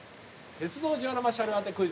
鉄道ジオラマ車両あてクイズ！